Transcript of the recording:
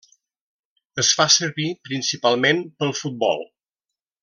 Es fa servir principalment pel futbol.